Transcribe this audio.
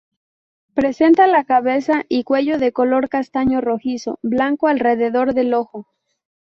Presenta la cabeza y cuello de color castaño rojizo, blanco alrededor del ojo.